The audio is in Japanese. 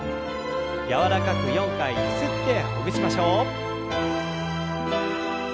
柔らかく４回ゆすってほぐしましょう。